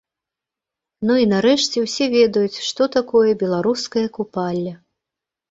Ну, і нарэшце, усе ведаюць, што такое беларускае купалле.